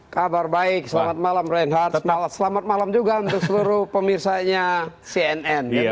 kabar baik selamat malam reinhardt selamat malam juga untuk seluruh pemirsanya cnn